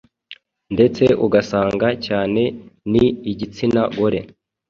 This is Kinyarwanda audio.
ndetse ugasanga cyane ni igitsina gore